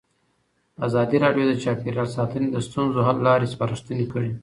ازادي راډیو د چاپیریال ساتنه د ستونزو حل لارې سپارښتنې کړي.